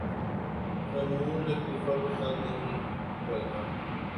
فنون لطیفہ پسند نہیں کرتا